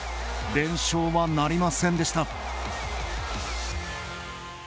連勝はなりませんでした。